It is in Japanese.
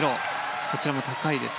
こちらも高いです。